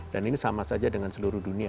dan ini sama saja dengan seluruh dunia